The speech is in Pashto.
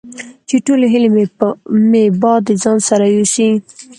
چې ټولې هیلې مې باد د ځان سره یوسي